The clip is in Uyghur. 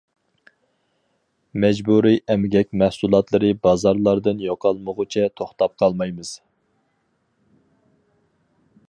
مەجبۇرىي ئەمگەك مەھسۇلاتلىرى بازارلاردىن يوقالمىغۇچە توختاپ قالمايمىز!